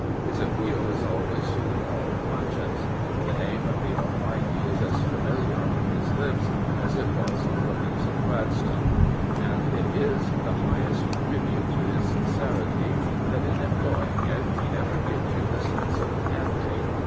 His appeal is always to the moral conscience. The name of the Almighty is as familiar on his lips as it was on the lips of Gladstone. And it is the highest tribute to his sincerity that in employing it he never gives you the sense of canting.